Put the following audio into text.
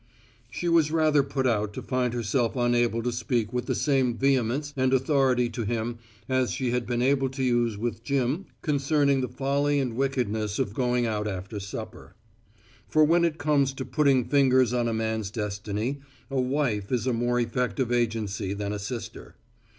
She was rather put out to find herself unable to speak with the same vehemence and authority to him as she had been able to use with Jim concerning the folly and wickedness of going out after supper. For when it comes to putting fingers on a man's destiny, a wife is a more effective agency than a sister.